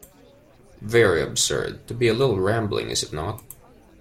Very absurd, to be a little rambling, is it not?